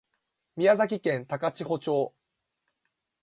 宮崎県高千穂町